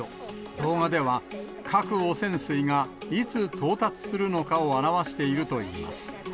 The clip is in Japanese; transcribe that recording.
動画では、核汚染水がいつ到達するのかを表しているといいます。